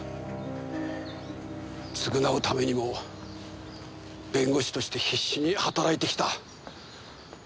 償うためにも弁護士として必死に働いてきた。